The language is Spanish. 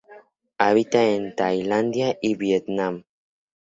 Habita en Tailandia y Vietnam.